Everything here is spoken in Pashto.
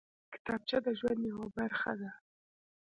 کتابچه د ژوند یوه برخه ده